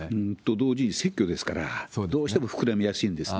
同時に選挙ですから、どうしても膨らみやすいんですね。